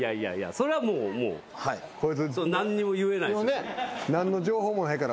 それはもうもう何にも言えないです。よね？